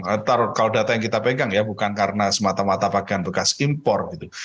ntar kalau data yang kita pegang ya bukan karena semata mata pakaian bekas impor gitu